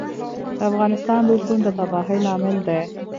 د افغانستان بیلتون د تباهۍ لامل دی